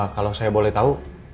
kalau saya boleh tahu